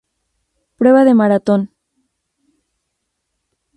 Prueba de Maratón